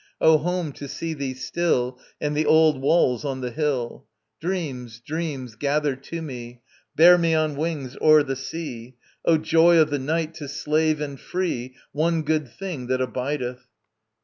O home, to see thee still, And the old walls on the hill! Dreams, dreams, gather to me! Bear me on wings over the sea; O joy of the night, to slave and free, One good thing that abideth!